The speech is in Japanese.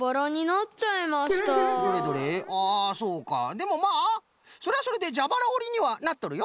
でもまあそれはそれでじゃばらおりにはなっとるよ。